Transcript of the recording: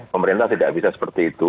pemerintah tidak bisa seperti itu